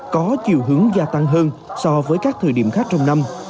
có chiều hướng gia tăng hơn so với các thời điểm khác trong năm